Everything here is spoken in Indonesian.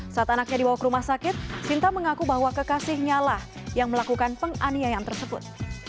saat anaknya dibawa ke rumah sakit sinta mengaku bahwa kekasihnya lah yang melakukan penganiayaan tersebut